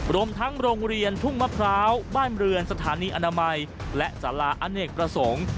รวมทั้งโรงเรียนทุ่งมะพร้าวบ้านเรือนสถานีอนามัยและสาราอเนกประสงค์